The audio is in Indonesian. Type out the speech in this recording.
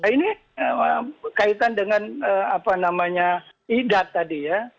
ini kaitan dengan apa namanya idat tadi ya